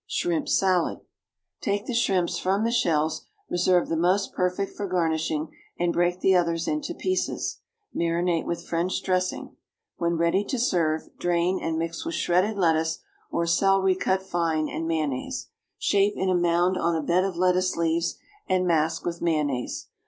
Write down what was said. =Shrimp Salad.= Take the shrimps from the shells, reserve the most perfect for garnishing, and break the others into pieces; marinate with French dressing. When ready to serve, drain, and mix with shredded lettuce, or celery cut fine, and mayonnaise. Shape in a mound on a bed of lettuce leaves and mask with mayonnaise.